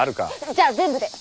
じゃあ全部で。